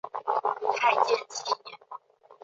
太建七年。